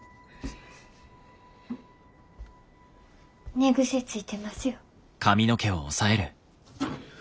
寝癖ついてますよ。